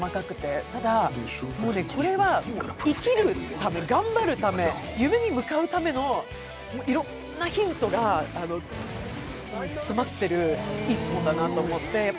ただ、これは生きるため、頑張るため夢に向かうためのいろんなヒントが詰まってる一本だなと思って。